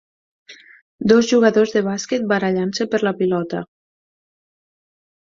Dos jugadors de bàsquet barallant-se per la pilota.